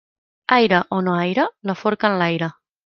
Aire o no aire, la forca enlaire.